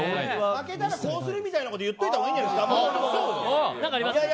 負けたら、こうするみたいなこと言った方がいいんじゃない。